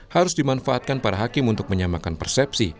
harus dimanfaatkan para hakim untuk menyamakan persepsi